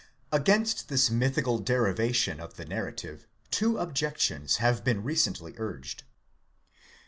Against this mythical derivation of the narrative, two objections have been recently urged.